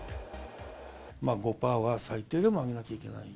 ５パーは最低でも上げなきゃいけない。